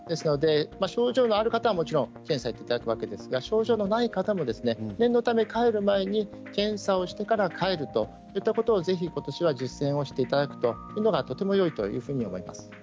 症状のある方はもちろん検査をしていただくわけですが症状のない方も念のため帰る前に検査をしてから帰るといったことをぜひ、ことしは実践していただくというのがとてもよいと思います。